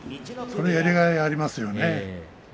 それはやりがいがありますよ。